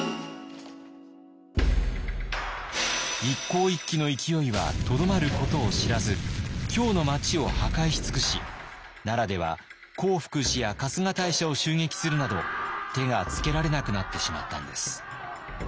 一向一揆の勢いはとどまることを知らず京の町を破壊し尽くし奈良では興福寺や春日大社を襲撃するなど手がつけられなくなってしまったんです。